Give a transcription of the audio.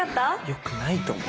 よくないと思う。